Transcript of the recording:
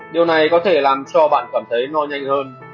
điều này có thể làm cho bạn cảm thấy no nhanh hơn